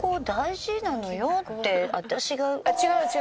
私が。